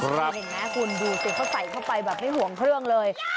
คุณเห็นไหมคุณดูสิเขาใส่เข้าไปแบบไม่ห่วงเครื่องเลย